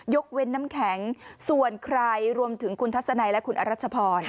ยกเว้นน้ำแข็งส่วนใครรวมถึงคุณทัศนัยและคุณอรัชพร